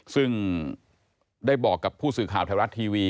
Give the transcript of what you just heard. ซึ่งได้บอกกับผู้สื่อข่าวไทยรัฐทีวี